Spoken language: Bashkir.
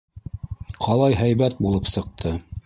Ҡалай һәйбәт булып сыҡты.